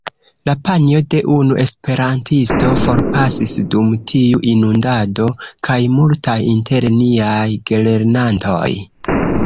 La panjo de unu esperantisto forpasis dum tiu inundado, kaj multaj inter niaj gelernantoj.